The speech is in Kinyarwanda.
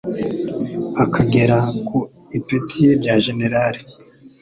akagera ku ipeti rya Jenerali